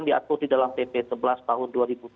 diatur di dalam pp sebelas tahun dua ribu dua puluh